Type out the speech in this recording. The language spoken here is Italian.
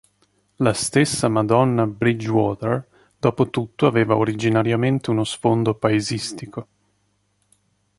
La stessa "Madonna Bridgewater" dopotutto aveva originariamente uno sfondo paesistico.